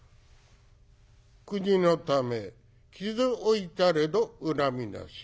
「国のため傷負いたれど恨みなし。